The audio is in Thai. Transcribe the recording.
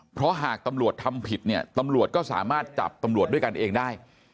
เพราะหากตำรวจทำผิดเนี่ยตำรวจก็สามารถจับตำรวจด้วยกันเองได้